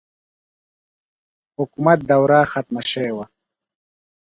حکومت دوره ختمه شوې وه.